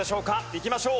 いきましょう！